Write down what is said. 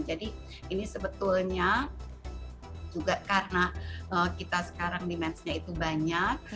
jadi ini sebetulnya juga karena kita sekarang demand nya itu banyak